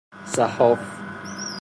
صحاف